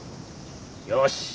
よし。